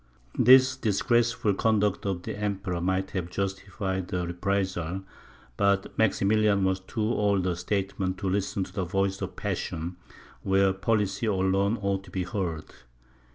This disgraceful conduct of the Emperor might have justified a reprisal, but Maximilian was too old a statesman to listen to the voice of passion, where policy alone ought to be heard.